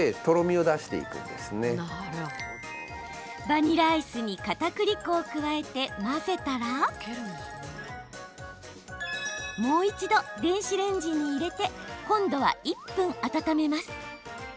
バニラアイスにかたくり粉を加えて混ぜたらもう一度、電子レンジに入れて今度は１分温めます。